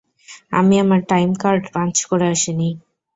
আমি আমার time card punch করে আসিনি।